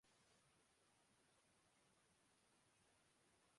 کہ آدمی کو حقیقت پسند بھی ہونا چاہیے۔